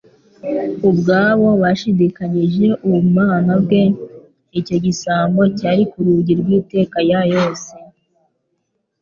ubwabo bashidikanyije ubumana bwe, icyo gisambo cyari-ku rugi rw'itekayyose,